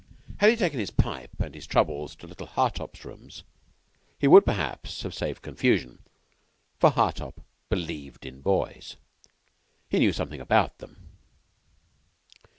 Had he taken his pipe and his troubles to little Hartopp's rooms he would, perhaps, have been saved confusion, for Hartopp believed in boys, and knew something about them.